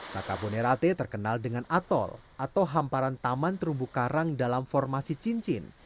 takabonerate terkenal dengan atol atau hamparan taman terumbu karang dalam formasi cincin